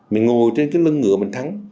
mình ngồi trên cái lưng ngựa mình thắng